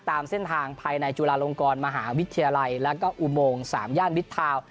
ตามเส้นทางภายในจุฬาลงกรมหาวิทยาลัยแล้วก็อุโมง๓ย่านวิทาวน์